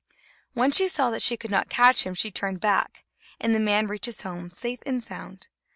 When she saw that she could not catch him, she turned back, and the man reached his home safe and sound.